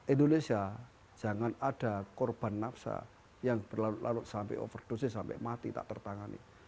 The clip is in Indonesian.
indonesia jangan ada korban nafsa yang berlarut larut sampai overdosis sampai mati tak tertangani